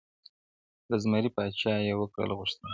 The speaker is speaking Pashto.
له زمري پاچا یې وکړله غوښتنه -